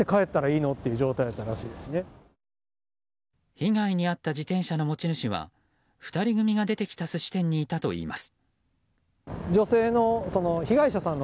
被害に遭った自転車の持ち主は２人組が出てきた寿司店にいたといいます。